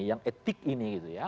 yang etik ini